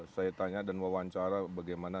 saya tanya dan wawancara bagaimana